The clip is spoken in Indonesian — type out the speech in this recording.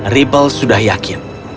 ribble sudah yakin